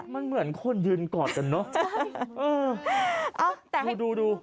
มันเหมือนคนยืนกอดกันเนอะใช่เออเอาแต่ให้ดูดู